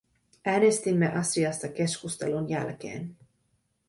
Äänestimme asiasta keskustelun jälkeen.